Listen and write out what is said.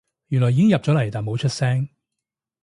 原來已經入咗嚟但冇出聲